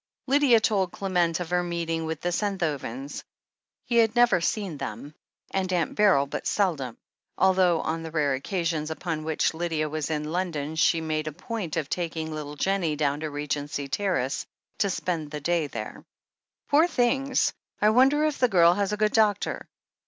Lydia told Clement of her meeting with the Sentho vens. He had never seen them, and Aunt Beryl but seldom, although on the rare occasions upon which Lydia was in London she made a point of taking little Jennie down to Regency Terrace to spend the day there. THE HEEL OF ACHILLES 335 "Poor things — I wonder if the girl has a good doctor.